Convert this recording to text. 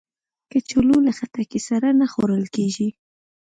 کچالو له خټکی سره نه خوړل کېږي